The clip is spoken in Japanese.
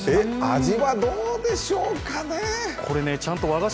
味はどうでしょうかね。